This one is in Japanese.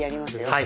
はい。